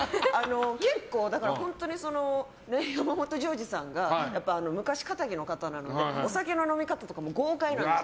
結構、山本譲二さんが昔かたぎの方なのでお酒の飲み方とかも豪快なんです。